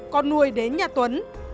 con nuôi đến nhà tuấn